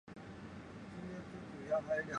这一区域也是传说中哥特人起源的一部分。